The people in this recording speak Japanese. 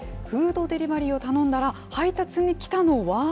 フードデリバリーを頼んだら、配達に来たのは。